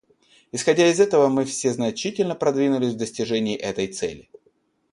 Исходя из этого, все мы значительно продвинулись в достижении этой цели.